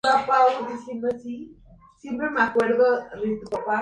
Por ello Rumanía representaba más una responsabilidad que un activo para los Aliados.